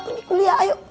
pergi kuliah ayo